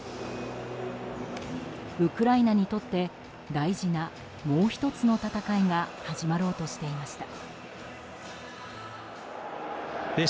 ウクライナにとって大事なもう１つの戦いが始まろうとしていました。